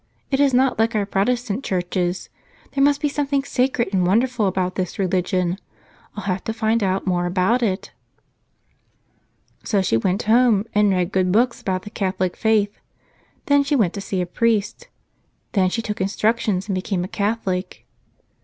It is not like our Protestant churches. There must be something sacred and won¬ derful about this religion. I'll have to find out more about it." So she went home and read good books about the Catholic faith. Then she went to see a priest. Then she took instructions and became a Catholic.